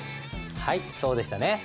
はいそうでしたね。